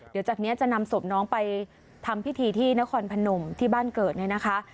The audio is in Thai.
เดี๋ยวจากนี้จะนำศพน้องไปทำพิธีที่นครพนมที่บ้านเกิดเนี่ยนะคะ